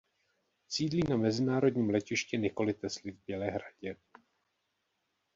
Sídlí na mezinárodním letišti Nikoly Tesly v Bělehradě.